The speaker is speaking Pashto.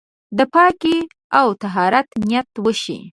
د پاکۍ او طهارت نيت وشي.